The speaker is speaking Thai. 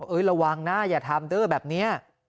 เอ้ยระวังหน้าอย่าทำเด้อแบบเนี้ย